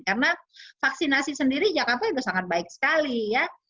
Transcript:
karena vaksinasi sendiri jakarta itu sangat baik sekali ya